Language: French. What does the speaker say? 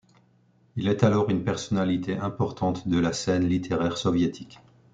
Il est alors une personnalité importante de la scène littéraire soviétique.